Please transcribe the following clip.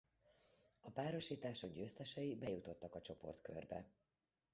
A párosítások győztesei bejutottak a csoportkörbe.